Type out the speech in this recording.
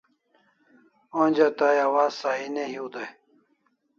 Onja tai awaz sahi ne hiu dai